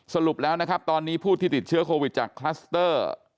สรุปแล้วนะครับตอนนี้ผู้ที่ติดเชื้อโควิดจากคลัสเตอร์